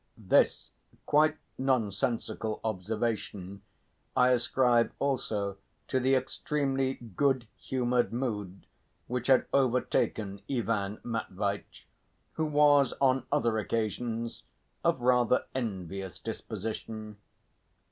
This quite nonsensical observation I ascribe also to the extremely good humoured mood which had overtaken Ivan Matveitch, who was on other occasions of rather envious disposition.